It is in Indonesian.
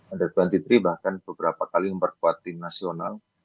andat bantitri bahkan beberapa kali memperkuat tim nasional